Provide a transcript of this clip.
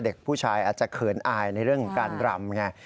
เด็กผู้ชายอาจจะเขินอายในเรื่องของการรำไง